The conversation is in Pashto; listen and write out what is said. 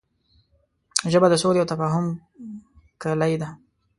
ژبه د سولې او تفاهم کلۍ ده